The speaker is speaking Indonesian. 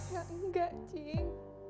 ya enggak cing